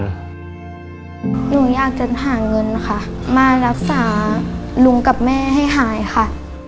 หนูอยากจะหาเงินค่ะมารักษาลุงกับแม่ให้หายค่ะ